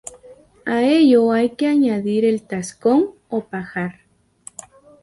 A ello hay que añadir el tascón o pajar.